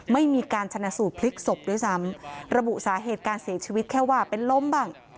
ไม่มีการชนะสูตรพลิกศพด้วยซ้ำระบุสาเหตุการเสียชีวิตแค่ว่าเป็นล้มบ้าง